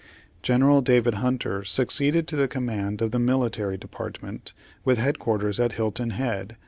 General David Hunter succeeded to the com mand of the military department with head quarters at Hilton Head, S.